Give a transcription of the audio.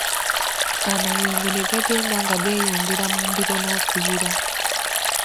Amayengo ne gagenda nga geeyongera mu mbiro n'okuyira.